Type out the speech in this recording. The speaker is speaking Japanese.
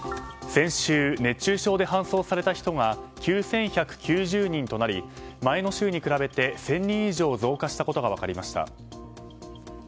先週、熱中症で搬送された人が９１９０人となり前の週に比べて１０００人以上増加したことが分かりました。